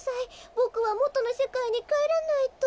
ボクはもとのせかいにかえらないと。